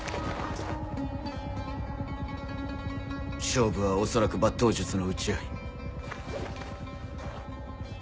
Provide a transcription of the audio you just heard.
勝負は恐らく抜刀術の打ち合い。